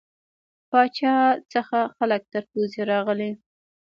پاچا څخه خلک تر پوزې راغلي.